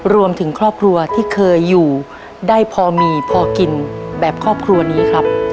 รวมถึงครอบครัวที่เคยอยู่ได้พอมีพอกินแบบครอบครัวนี้ครับ